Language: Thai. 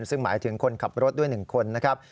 ซึ่งหมายถึงคนขับรถด้วย๑คนนะครับ